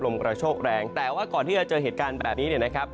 กระโชกแรงแต่ว่าก่อนที่จะเจอเหตุการณ์แบบนี้เนี่ยนะครับ